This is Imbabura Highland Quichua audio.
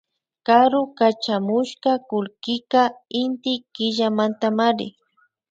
Karu kachamushka kullkika Inti killamantamari